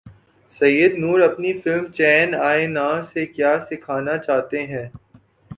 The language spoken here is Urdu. سید نور اپنی فلم چین ائے نہ سے کیا سکھانا چاہتے ہیں